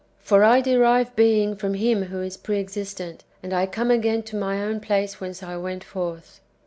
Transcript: For I derive being from Him who is pre existent, and I come again to my own place whence I went forth."